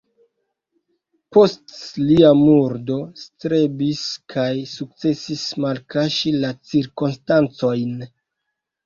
Post lia murdo strebis kaj sukcesis malkaŝi la cirkonstancojn.